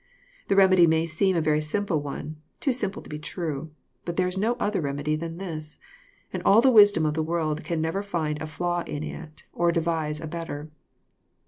The remedy may seem a very simple one, too simple to be true. But there is no other re medy than this ; and all the wisdom of the world can never find a flaw in it, or devise a better.